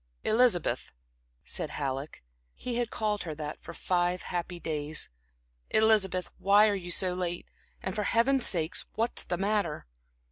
"Elizabeth," said Halleck (he had called her that for five happy days) "Elizabeth, why are you so late? And, for Heaven's sake, what's the matter?"